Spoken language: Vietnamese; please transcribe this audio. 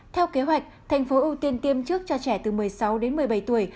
theo kế hoạch thành phố ưu tiên tiêm trước cho trẻ từ một mươi sáu đến một mươi bảy tuổi